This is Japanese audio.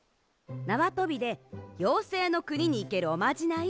なわとびでようせいのくににいけるおまじない。